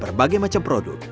berbagai macam produk